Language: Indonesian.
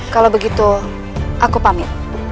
kalau begitu aku pamit